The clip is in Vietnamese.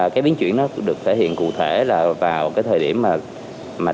cái biến chuyển nó được thể hiện cụ thể là vào cái thời điểm mà